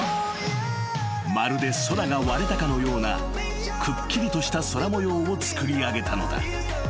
［まるで空が割れたかのようなくっきりとした空模様をつくりあげたのだ］